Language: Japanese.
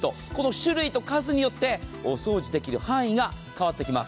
種類と数によってお掃除できる範囲が変わってきます。